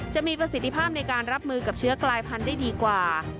จะมีประสิทธิภาพในการรับมือกับเชื้อกลายพันธุ์ได้ดีกว่า